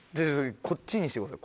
こっちにしてください。